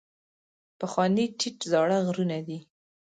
پخواني ټیټ زاړه غرونه دي.